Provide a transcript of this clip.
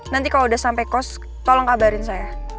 nanti kalau udah sampai cost tolong kabarin saya